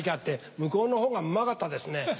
向こうのほうがうまかったですね。